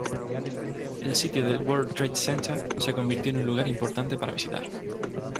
El sitio del World Trade Center se convirtió en un lugar importante para visitar.